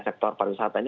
sektor perusahaan ini